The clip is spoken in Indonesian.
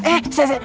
eh seh seh